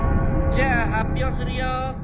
じゃあ発表するよ。